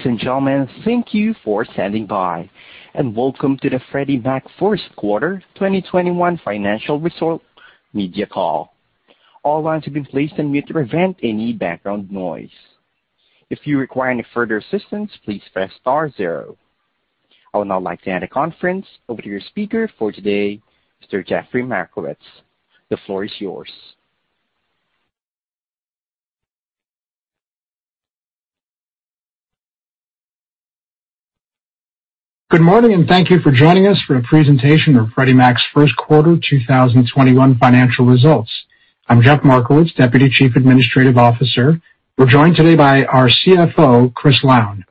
Ladies and gentlemen, thank you for standing by, and welcome to the Freddie Mac first quarter 2021 financial results media call. All lines have been placed on mute to prevent any background noise. If you require any further assistance, please press star zero. I would now like to hand the conference over to your speaker for today, Mr. Jeffrey Markowitz. The floor is yours. Good morning, and thank you for joining us for a presentation of Freddie Mac's first quarter 2021 financial results. I'm Jeff Markowitz, Deputy Chief Administrative Officer. We're joined today by our CFO, Chris Lown.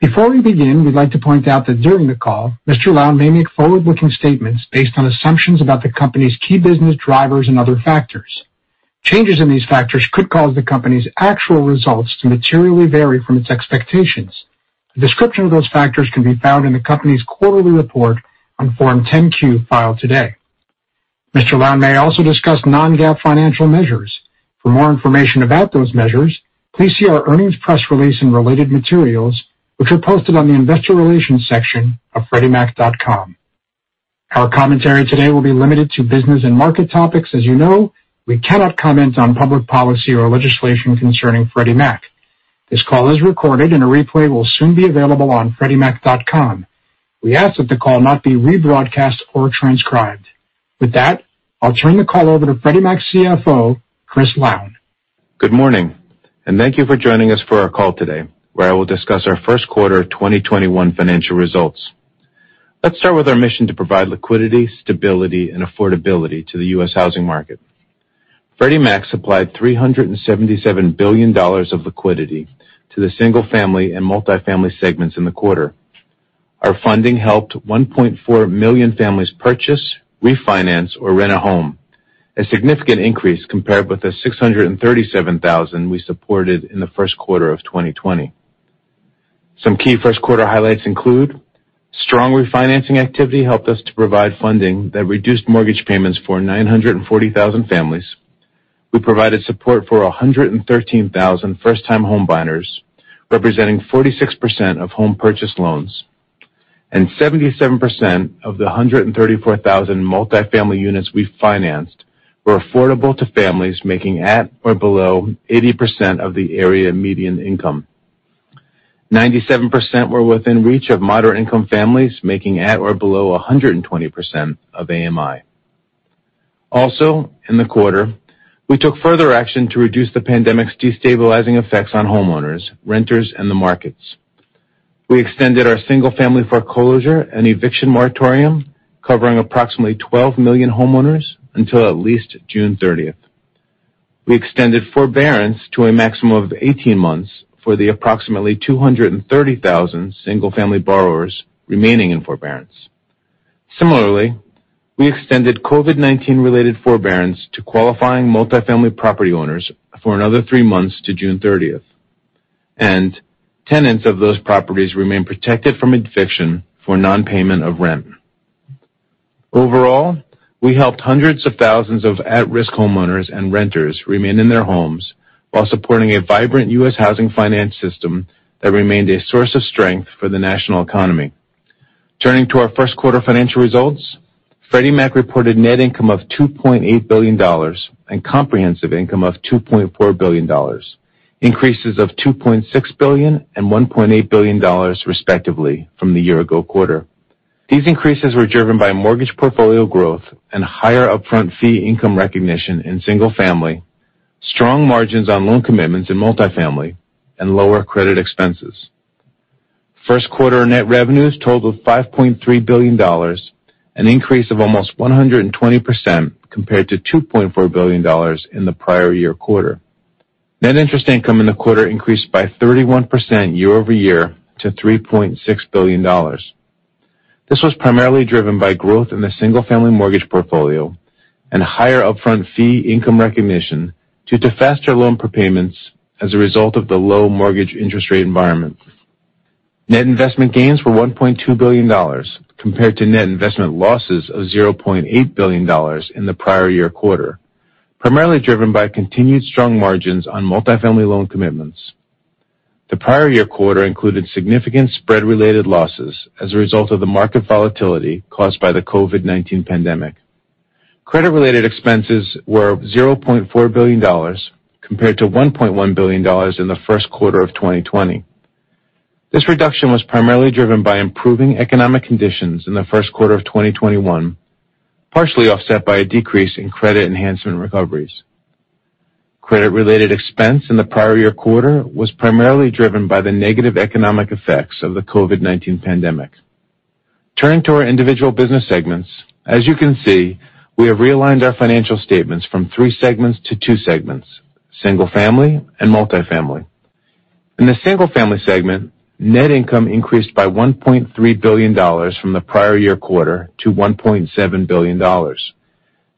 Before we begin, we'd like to point out that during the call, Mr. Lown may make forward-looking statements based on assumptions about the company's key business drivers and other factors. Changes in these factors could cause the company's actual results to materially vary from its expectations. A description of those factors can be found in the company's quarterly report on Form 10-Q filed today. Mr. Lown may also discuss non-GAAP financial measures. For more information about those measures, please see our earnings press release and related materials, which are posted on the Investor Relations section of freddiemac.com. Our commentary today will be limited to business and market topics. As you know, we cannot comment on public policy or legislation concerning Freddie Mac. This call is recorded and a replay will soon be available on freddiemac.com. We ask that the call not be rebroadcast or transcribed. With that, I'll turn the call over to Freddie Mac's CFO, Chris Lown. Good morning, and thank you for joining us for our call today, where I will discuss our first quarter 2021 financial results. Let's start with our mission to provide liquidity, stability, and affordability to the U.S. housing market. Freddie Mac supplied $377 billion of liquidity to the Single-Family and Multifamily segments in the quarter. Our funding helped 1.4 million families purchase, refinance, or rent a home, a significant increase compared with the 637,000 we supported in the first quarter of 2020. Some key first quarter highlights include strong refinancing activity helped us to provide funding that reduced mortgage payments for 940,000 families. We provided support for 113,000 first-time home buyers, representing 46% of home purchase loans, and 77% of the 134,000 Multifamily units we financed were affordable to families making at or below 80% of the area median income. 97% were within reach of moderate-income families making at or below 120% of AMI. In the quarter, we took further action to reduce the pandemic's destabilizing effects on homeowners, renters, and the markets. We extended our Single-Family foreclosure and eviction moratorium, covering approximately 12 million homeowners, until at least June 30th. We extended forbearance to a maximum of 18 months for the approximately 230,000 Single-Family borrowers remaining in forbearance. Similarly, we extended COVID-19 related forbearance to qualifying multifamily property owners for another three months to June 30th. Tenants of those properties remain protected from eviction for non-payment of rent. Overall, we helped hundreds of thousands of at-risk homeowners and renters remain in their homes while supporting a vibrant U.S. housing finance system that remained a source of strength for the national economy. Turning to our first quarter financial results, Freddie Mac reported net income of $2.8 billion and comprehensive income of $2.4 billion, increases of $2.6 billion and $1.8 billion respectively from the year-ago quarter. These increases were driven by mortgage portfolio growth and higher upfront fee income recognition in Single-Family, strong margins on loan commitments in Multifamily, and lower credit expenses. First quarter net revenues totaled $5.3 billion, an increase of almost 120% compared to $2.4 billion in the prior year quarter. Net interest income in the quarter increased by 31% year-over-year to $3.6 billion. This was primarily driven by growth in the Single-Family mortgage portfolio and higher upfront fee income recognition due to faster loan prepayments as a result of the low mortgage interest rate environment. Net investment gains were $1.2 billion compared to net investment losses of $0.8 billion in the prior year quarter, primarily driven by continued strong margins on Multifamily loan commitments. The prior year quarter included significant spread-related losses as a result of the market volatility caused by the COVID-19 pandemic. Credit-related expenses were $0.4 billion compared to $1.1 billion in the first quarter of 2020. This reduction was primarily driven by improving economic conditions in the first quarter of 2021, partially offset by a decrease in credit enhancement recoveries. Credit-related expense in the prior year quarter was primarily driven by the negative economic effects of the COVID-19 pandemic. Turning to our individual business segments, as you can see, we have realigned our financial statements from three segments to two segments: Single-Family and Multifamily. In the Single-Family segment, net income increased by $1.3 billion from the prior year quarter to $1.7 billion.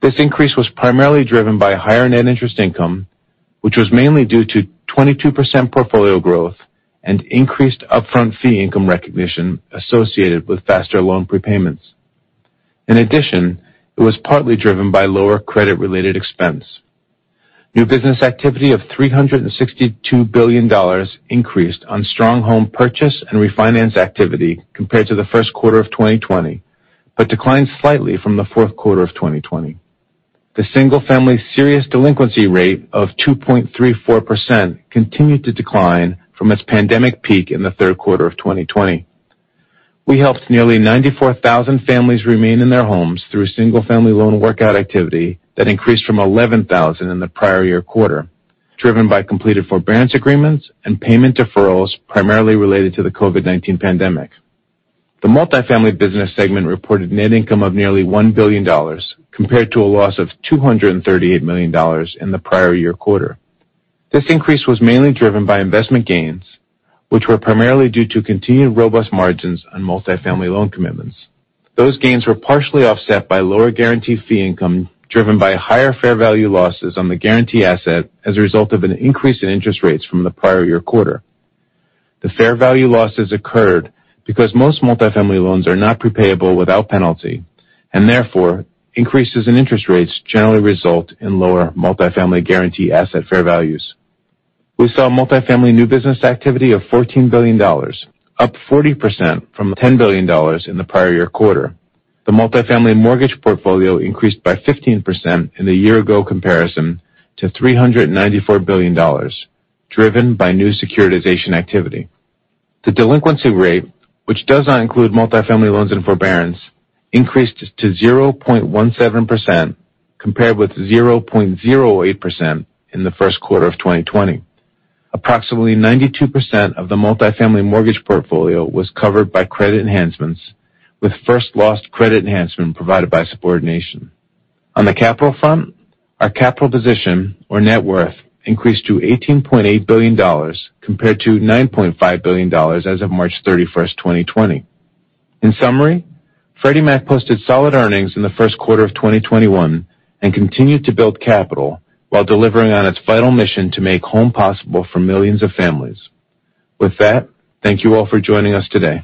This increase was primarily driven by higher net interest income, which was mainly due to 22% portfolio growth and increased upfront fee income recognition associated with faster loan prepayments. In addition, it was partly driven by lower credit-related expense. New business activity of $362 billion increased on strong home purchase and refinance activity compared to the first quarter of 2020, but declined slightly from the fourth quarter of 2020. The Single-Family serious delinquency rate of 2.34% continued to decline from its pandemic peak in the third quarter of 2020. We helped nearly 94,000 families remain in their homes through Single-Family loan workout activity that increased from 11,000 in the prior year quarter, driven by completed forbearance agreements and payment deferrals primarily related to the COVID-19 pandemic. The Multifamily business segment reported net income of nearly $1 billion, compared to a loss of $238 million in the prior year quarter. This increase was mainly driven by investment gains, which were primarily due to continued robust margins on Multifamily loan commitments. Those gains were partially offset by lower guarantee fee income driven by higher fair value losses on the guarantee asset as a result of an increase in interest rates from the prior year quarter. The fair value losses occurred because most Multifamily loans are not prepayable without penalty, and therefore, increases in interest rates generally result in lower Multifamily guarantee asset fair values. We saw Multifamily new business activity of $14 billion, up 40% from $10 billion in the prior year quarter. The Multifamily mortgage portfolio increased by 15% in the year-ago comparison to $394 billion, driven by new securitization activity. The delinquency rate, which does not include Multifamily loans in forbearance, increased to 0.17%, compared with 0.08% in the first quarter of 2020. Approximately 92% of the Multifamily mortgage portfolio was covered by credit enhancements, with first loss credit enhancement provided by subordination. On the capital front, our capital position or net worth increased to $18.8 billion, compared to $9.5 billion as of March 31st, 2020. In summary, Freddie Mac posted solid earnings in the first quarter of 2021 and continued to build capital while delivering on its vital mission to make home possible for millions of families. With that, thank you all for joining us today.